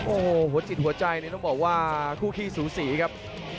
โอ้โหหัวจิตหัวใจนี่ต้องบอกว่าคู่ขี้สูสีครับ